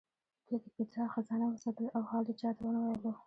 دوی د پیترا خزانه وساتله او حال یې چا ته ونه ویلو.